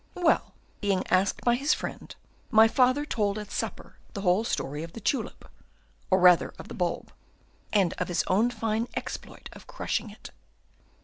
"Well, being asked by his friend, my father told at supper the whole story of the tulip, or rather of the bulb, and of his own fine exploit of crushing it."